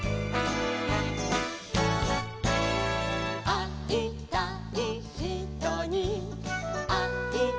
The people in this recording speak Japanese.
「あいたいひとにあいたいときは」